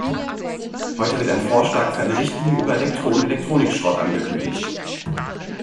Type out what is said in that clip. Heute wird ein Vorschlag für eine Richtlinie über Elektro- und Elektronikschrott angekündigt.